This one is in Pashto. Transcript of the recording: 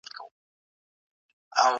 ایا لوی صادروونکي شین ممیز ساتي؟